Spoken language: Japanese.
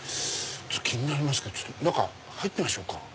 気になりますから中入ってみましょうか。